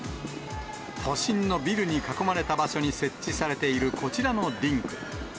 都心のビルに囲まれた場所に設置されているこちらのリンク。